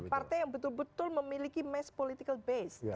partai yang betul betul memiliki mass political base